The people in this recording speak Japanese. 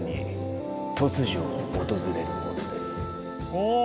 お！